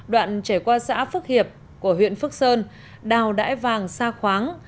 đoạn trải qua xã phước hiệp của huyện phước sơn đào đải vàng xa khoáng